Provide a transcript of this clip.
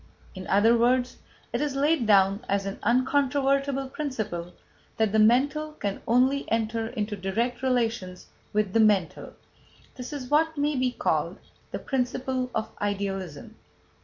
" In other words, it is laid down as an uncontrovertible principle that "the mental can only enter into direct relations with the mental." That is what may be called "the principle of Idealism."